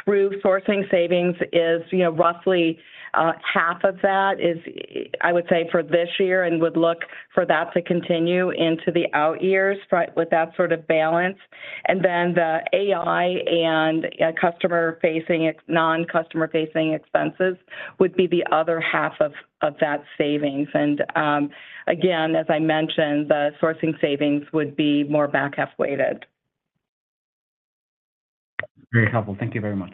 D: The sourcing savings is roughly half of that, I would say, for this year and would look for that to continue into the out years with that sort of balance. And then the AI and non-customer-facing expenses would be the other half of that savings. And again, as I mentioned, the sourcing savings would be more back half weighted.
H: Very helpful. Thank you very much.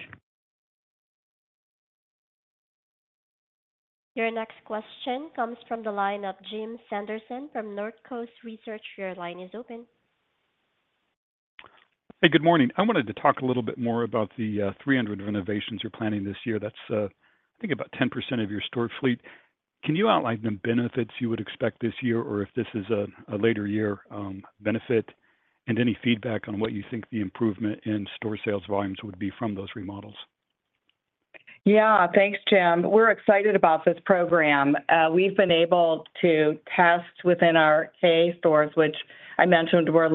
A: Your next question comes from the line of Jim Sanderson from North Coast Research. Your line is open.
I: Hey, good morning. I wanted to talk a little bit more about the 300 renovations you're planning this year. That's, I think, about 10% of your store fleet. Can you outline the benefits you would expect this year or if this is a later year benefit, and any feedback on what you think the improvement in store sales volumes would be from those remodels?
D: Yeah. Thanks, Jim. We're excited about this program. We've been able to test within our Kay stores, which I mentioned were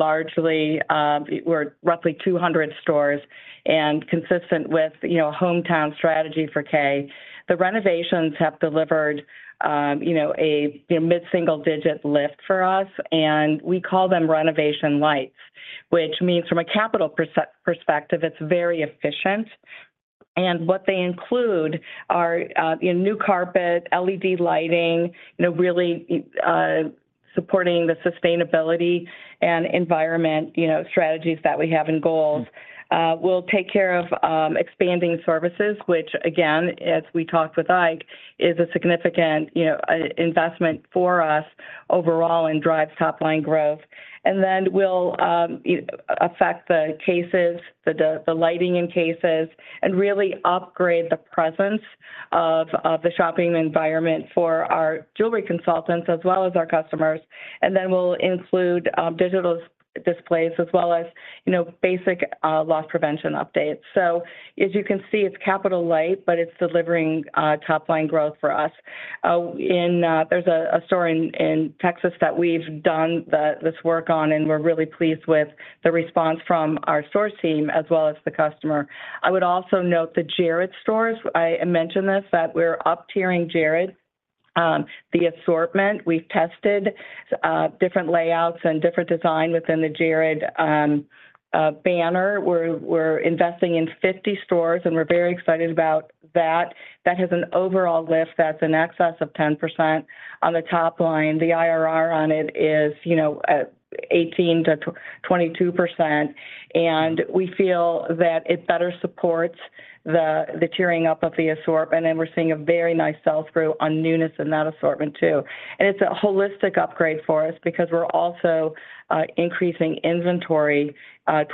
D: roughly 200 stores and consistent with a hometown strategy for K. The renovations have delivered a mid-single digit lift for us, and we call them renovation lights, which means from a capital perspective, it's very efficient. And what they include are new carpet, LED lighting, really supporting the sustainability and environment strategies that we have and goals. We'll take care of expanding services, which, again, as we talked with Ike, is a significant investment for us overall and drives top-line growth. And then we'll affect the cases, the lighting in cases, and really upgrade the presence of the shopping environment for our jewelry consultants as well as our customers. And then we'll include digital displays as well as basic loss prevention updates. So as you can see, it's capital-light, but it's delivering top-line growth for us. There's a store in Texas that we've done this work on, and we're really pleased with the response from our store team as well as the customer. I would also note the Jared stores. I mentioned this, that we're up-tiering Jared, the assortment. We've tested different layouts and different design within the Jared banner. We're investing in 50 stores, and we're very excited about that. That has an overall lift that's an excess of 10% on the top line. The IRR on it is 18%-22%. And we feel that it better supports the tiering up of the assortment, and we're seeing a very nice sales growth on newness in that assortment too. And it's a holistic upgrade for us because we're also increasing inventory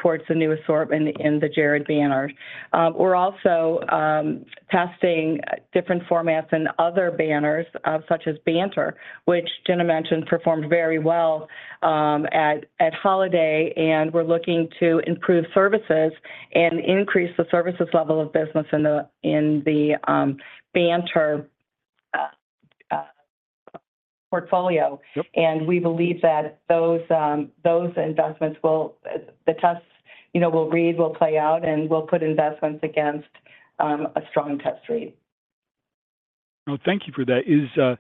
D: towards the new assortment in the Jared banners. We're also testing different formats and other banners such as Banter, which Gina mentioned performed very well at holiday, and we're looking to improve services and increase the services level of business in the Banter portfolio. We believe that those investments will play out, and we'll put investments against a strong test rate.
I: Thank you for that.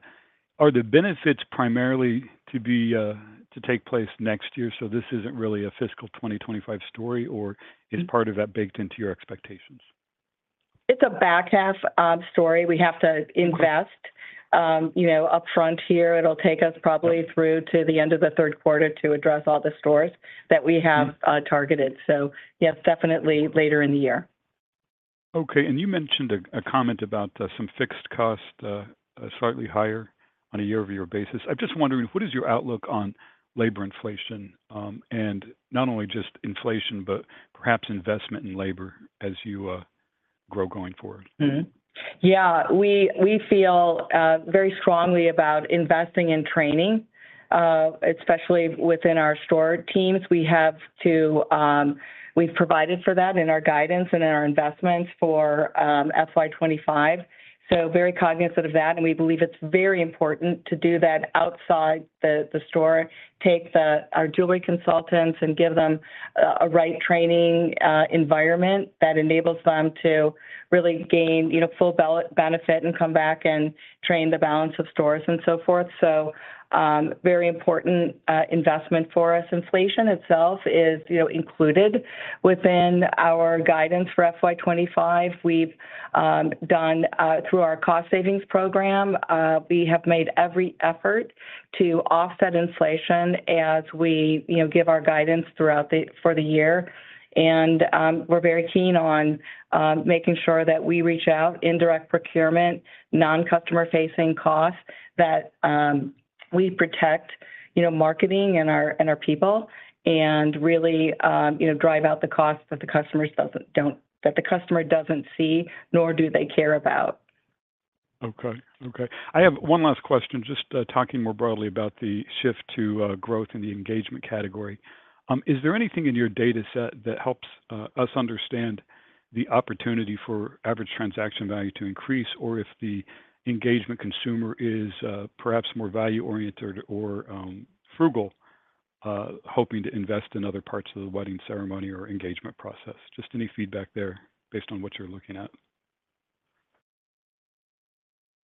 I: Are the benefits primarily to take place next year, so this isn't really a fiscal 2025 story, or is part of that baked into your expectations?
D: It's a back half story. We have to invest upfront here. It'll take us probably through to the end of the third quarter to address all the stores that we have targeted. So yes, definitely later in the year.
I: Okay. You mentioned a comment about some fixed costs slightly higher on a year-over-year basis. I'm just wondering, what is your outlook on labor inflation, and not only just inflation, but perhaps investment in labor as you grow going forward?
D: Yeah. We feel very strongly about investing in training, especially within our store teams. We've provided for that in our guidance and in our investments for FY25. So very cognizant of that, and we believe it's very important to do that outside the store, take our jewelry consultants, and give them a right training environment that enables them to really gain full benefit and come back and train the balance of stores and so forth. So very important investment for us. Inflation itself is included within our guidance for FY25. Through our cost savings program, we have made every effort to offset inflation as we give our guidance throughout for the year. And we're very keen on making sure that we reach out indirect procurement, non-customer-facing costs that we protect marketing and our people and really drive out the cost that the customer doesn't see, nor do they care about.
I: Okay. Okay. I have one last question, just talking more broadly about the shift to growth in the engagement category. Is there anything in your dataset that helps us understand the opportunity for average transaction value to increase or if the engagement consumer is perhaps more value-oriented or frugal, hoping to invest in other parts of the wedding ceremony or engagement process? Just any feedback there based on what you're looking at.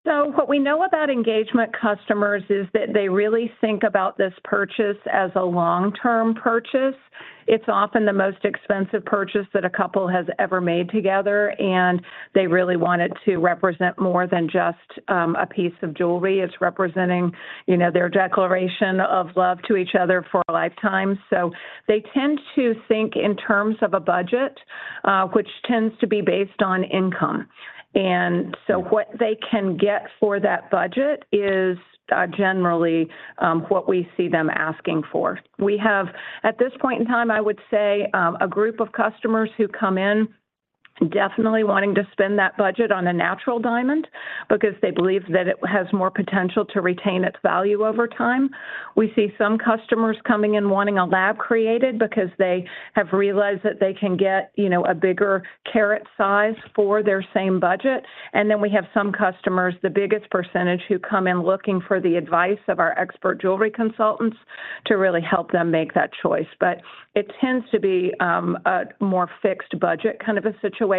D: So what we know about engagement customers is that they really think about this purchase as a long-term purchase. It's often the most expensive purchase that a couple has ever made together, and they really want it to represent more than just a piece of jewelry. It's representing their declaration of love to each other for a lifetime. So they tend to think in terms of a budget, which tends to be based on income. And so what they can get for that budget is generally what we see them asking for. We have, at this point in time, I would say, a group of customers who come in definitely wanting to spend that budget on a natural diamond because they believe that it has more potential to retain its value over time. We see some customers coming in wanting a lab-created because they have realized that they can get a bigger carat size for their same budget. And then we have some customers, the biggest percentage, who come in looking for the advice of our expert jewelry consultants to really help them make that choice. But it tends to be a more fixed budget kind of a situation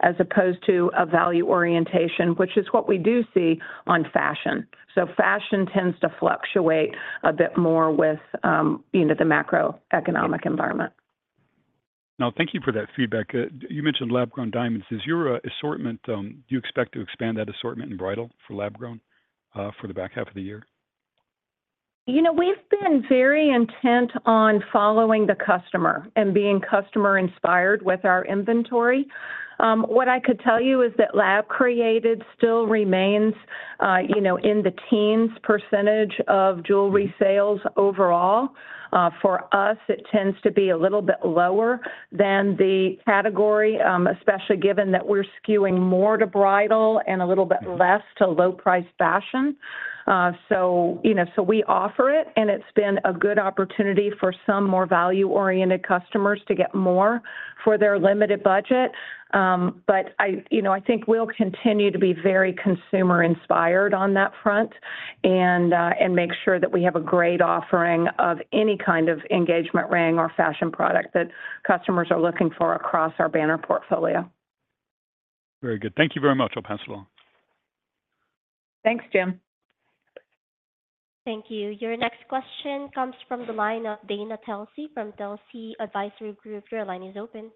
D: as opposed to a value orientation, which is what we do see on fashion. So fashion tends to fluctuate a bit more with the macroeconomic environment.
I: Now, thank you for that feedback. You mentioned lab-grown diamonds. Do you expect to expand that assortment in bridal for lab-grown for the back half of the year?
D: We've been very intent on following the customer and being customer-inspired with our inventory. What I could tell you is that lab-created still remains in the teens% of jewelry sales overall. For us, it tends to be a little bit lower than the category, especially given that we're skewing more to bridal and a little bit less to low-priced fashion. So we offer it, and it's been a good opportunity for some more value-oriented customers to get more for their limited budget. But I think we'll continue to be very consumer-inspired on that front and make sure that we have a great offering of any kind of engagement ring or fashion product that customers are looking for across our banner portfolio.
I: Very good. Thank you very much.
D: Thanks, Jim.
A: Thank you. Your next question comes from the line of Dana Telsey from Telsey Advisory Group. Your line is open.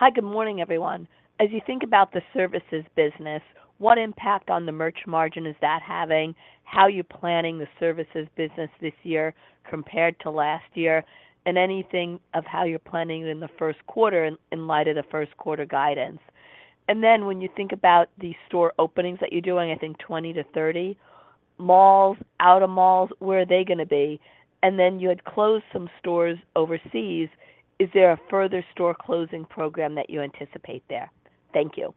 J: Hi. Good morning, everyone. As you think about the services business, what impact on the merch margin is that having, how you're planning the services business this year compared to last year, and anything of how you're planning it in the first quarter in light of the first quarter guidance? And then when you think about the store openings that you're doing, I think 20-30, malls, out-of-malls, where are they going to be? And then you had closed some stores overseas. Is there a further store closing program that you anticipate there? Thank you.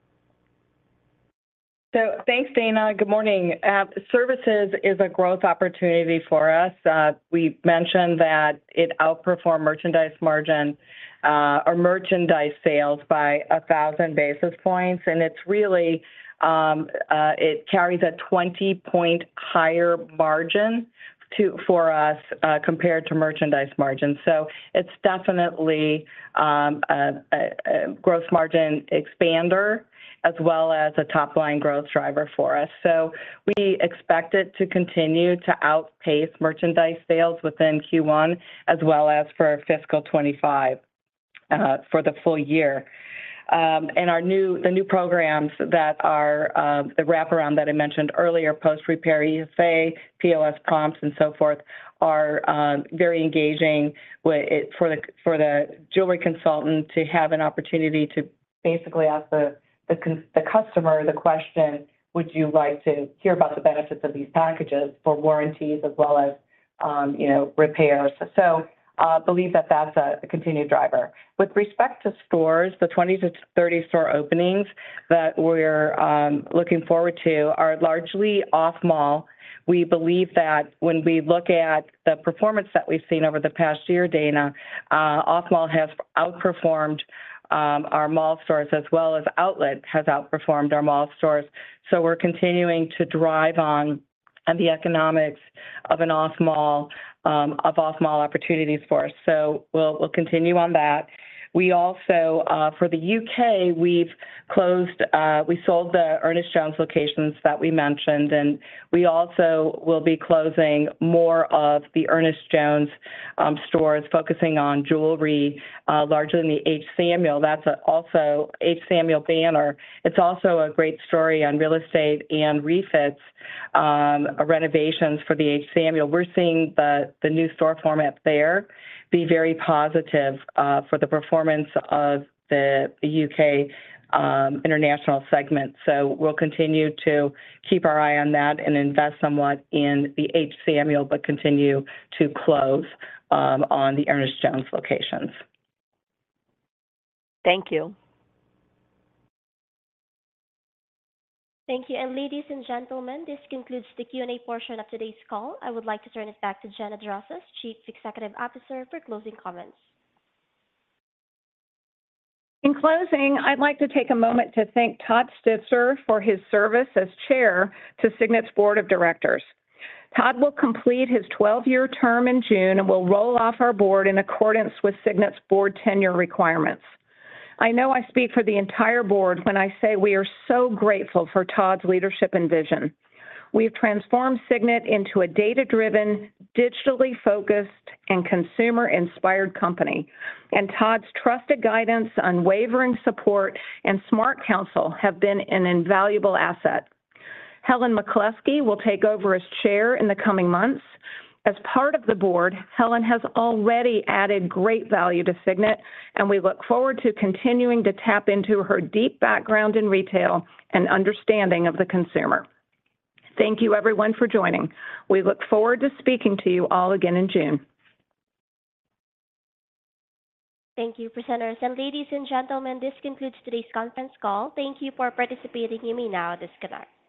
D: So thanks, Dana. Good morning. Services is a growth opportunity for us. We mentioned that it outperformed merchandise margin or merchandise sales by 1,000 basis points, and it carries a 20-point higher margin for us compared to merchandise margin. So it's definitely a growth margin expander as well as a top-line growth driver for us. So we expect it to continue to outpace merchandise sales within Q1 as well as for fiscal 2025 for the full year. And the new programs that are the wrap-around that I mentioned earlier, post-repair ESA, POS prompts, and so forth, are very engaging for the jewelry consultant to have an opportunity to basically ask the customer the question, "Would you like to hear about the benefits of these packages for warranties as well as repairs?" So I believe that that's a continued driver. With respect to stores, the 20-30 store openings that we're looking forward to are largely off-mall. We believe that when we look at the performance that we've seen over the past year, Dana, off-mall has outperformed our mall stores as well as outlet has outperformed our mall stores. So we're continuing to drive on the economics of off-mall opportunities for us. So we'll continue on that. For the U.K., we sold the Ernest Jones locations that we mentioned, and we also will be closing more of the Ernest Jones stores, focusing on jewelry, largely in the H. Samuel. That's also H. Samuel banner. It's also a great story on real estate and refits, renovations for the H. Samuel. We're seeing the new store format there be very positive for the performance of the U.K. international segment. So we'll continue to keep our eye on that and invest somewhat in the H. Samuel, but continue to close on the Ernest Jones locations.
J: Thank you.
A: Thank you. Ladies and gentlemen, this concludes the Q&A portion of today's call. I would like to turn it back to Gina Drosos, Chief Executive Officer, for closing comments.
C: In closing, I'd like to take a moment to thank Todd Stitzer for his service as chair to Signet's board of directors. Todd will complete his 12-year term in June and will roll off our board in accordance with Signet's board tenure requirements. I know I speak for the entire board when I say we are so grateful for Todd's leadership and vision. We've transformed Signet into a data-driven, digitally focused, and consumer-inspired company, and Todd's trusted guidance, unwavering support, and smart counsel have been an invaluable asset. Helen McCluskey will take over as chair in the coming months. As part of the board, Helen has already added great value to Signet, and we look forward to continuing to tap into her deep background in retail and understanding of the consumer. Thank you, everyone, for joining. We look forward to speaking to you all again in June.
A: Thank you, presenters. Ladies and gentlemen, this concludes today's conference call. Thank you for participating with me now at this conference.